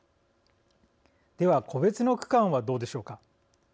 では、個別の区間はどうでしょうか。